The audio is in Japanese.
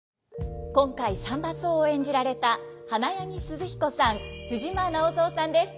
今回三番叟を演じられた花柳寿々彦さん藤間直三さんです。